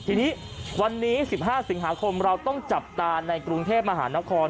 ทีนี้วันนี้๑๕สิงหาคมเราต้องจับตาในกรุงเทพมหานคร